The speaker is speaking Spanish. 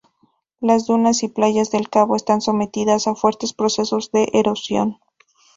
Las dunas y playas del cabo, están sometidas a fuertes procesos de erosión.